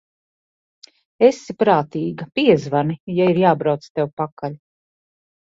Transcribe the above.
Esi prātīga, piezvani, ja ir jābrauc tev pakaļ.